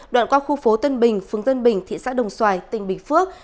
đoạn qua khu phố tân bình phường tân bình thị xã đồng xoài tỉnh bình phước